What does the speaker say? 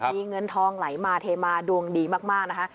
มีเงินทองไหลมาเทมาดวงดีมากนะคะ